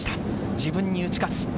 自分に打ち勝つ。